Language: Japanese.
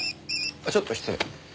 ちょっと失礼。